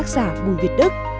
giả bùi việt đức